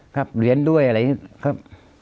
เรียนด้วยอะไรอย่างนี้ครับ